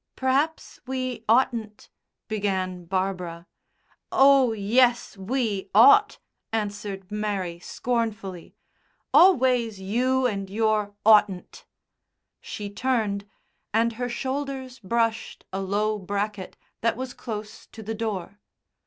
"P'r'aps we oughtn't " began Barbara. "Oh, yes, we ought," answered Mary scornfully. "Always you and your 'oughtn't.'" She turned, and her shoulders brushed a low bracket that was close to the door.